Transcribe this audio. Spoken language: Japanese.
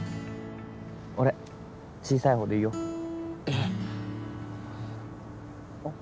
俺小さい方でいいよえあっ